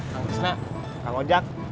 kang kisna kang ojak